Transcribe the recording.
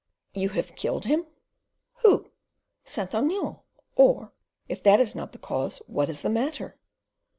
"You have killed him?" "Who?" "Saint Aignan; or, if that is not the case, what is the matter?"